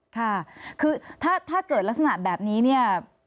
ค่ะคือถ้าเกิดลักษณะแบบนี้เนี่ย